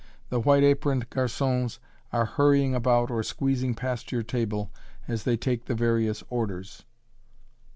The white aproned garçons are hurrying about or squeezing past your table, as they take the various orders.